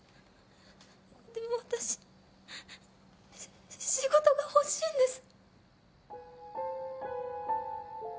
でも私仕事が欲しいんです。